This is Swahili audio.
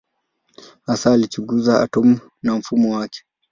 Hasa alichunguza atomu na mfumo wake.